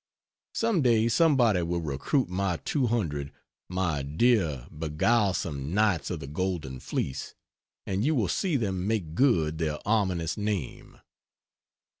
Some day somebody will recruit my 200 my dear beguilesome Knights of the Golden Fleece and you will see them make good their ominous name.